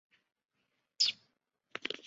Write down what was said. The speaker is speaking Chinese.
母程氏。